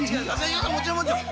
もちろんもちろん！